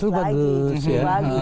justru bagus ya